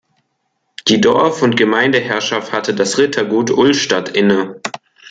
Die Dorf- und Gemeindeherrschaft hatte das Rittergut Ullstadt inne.